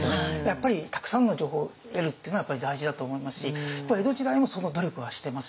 やっぱりたくさんの情報得るっていうのはやっぱり大事だと思いますし江戸時代もその努力はしてますね。